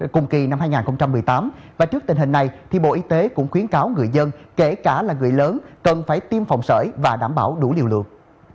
cùng kỳ năm hai nghìn một mươi tám và trước tình hình này bộ y tế cũng khuyến cáo người dân kể cả là người lớn cần phải tiêm phòng sởi và đảm bảo đủ liều lượng